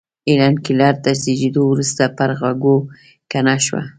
هېلېن کېلر تر زېږېدو وروسته پر غوږو کڼه شوه